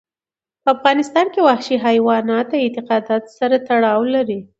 په افغانستان کې وحشي حیوانات د اعتقاداتو سره تړاو لري.